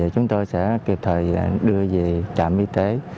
chúng tôi sẽ kịp thời đưa về trạm y tế